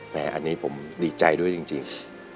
อันนี้ผมดีใจด้วยจริง